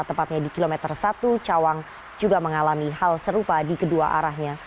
tepatnya di kilometer satu cawang juga mengalami hal serupa di kedua arahnya